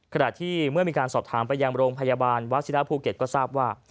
ขณะที่เมื่อมีการสอบถามไปยังโรงพยาบาลวัชิระภูเก็ตก็ทราบว่า